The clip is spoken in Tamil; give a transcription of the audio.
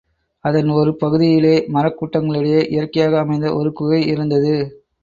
அதன் ஒரு பகுதியிலே மரக் கூட்டங்களினிடையே இயற்கையாக அமைந்த ஒரு குகை இருந்தது.